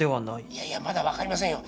☎いやいやまだ分かりませんよ。